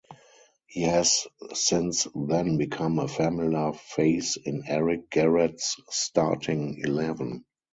He has since then become a familiar face in Eric Gerets' starting eleven.